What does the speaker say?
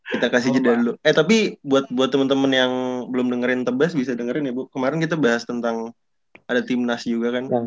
kita kasih jeda dulu eh tapi buat temen temen yang belum dengerin tebas bisa dengerin ya bu kemarin kita bahas tentang ada timnas juga kan